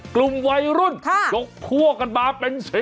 กลุ่มวัยรุ่นยกพวกกันมาเป็น๑๐